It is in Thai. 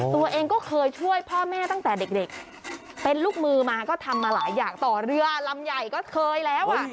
ตัวเองก็เคยช่วยพ่อแม่ตั้งแต่เด็กเป็นลูกมือมาก็ทำมาหลายอย่างต่อเรือลำใหญ่ก็เคยแล้วอ่ะ